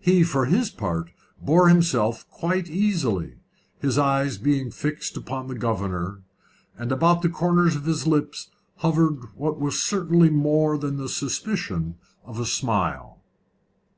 He for his part bore himself quite easily, his eyes being fixed upon the governor, and about the corners of his lips hovered what was certainly more than the suspicion of a smile.